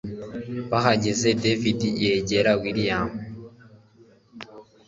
bahageze david yegere william